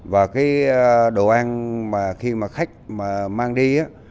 và cái đồ ăn mà khi mà khách mà mang đi á